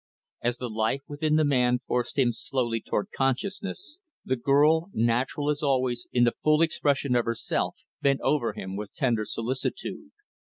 As the life within the man forced him slowly toward consciousness, the girl, natural as always in the full expression of herself, bent over him with tender solicitude.